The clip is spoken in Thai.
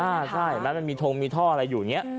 อ่าใช่แล้วมันมีทองมีท่ออะไรอยู่เนี้ย